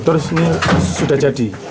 terus ini sudah jadi